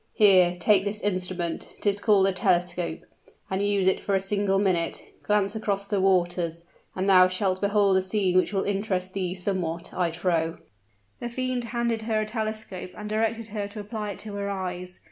Here, take this instrument 'tis called a telescope and use it for a single minute. Glance across the waters, and thou shalt behold a scene which will interest thee somewhat, I trow." The fiend handed her a telescope and directed her to apply it to her eyes.